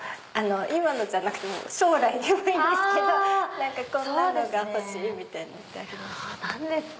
今のじゃなくても将来でもいいんですけどこんなのが欲しいみたいのってありますか？